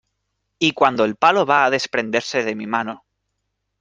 y cuando el palo va a desprenderse de mi mano